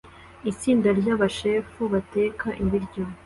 Itsinda rya ba chef bateka ibiryo